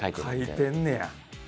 描いてんねや。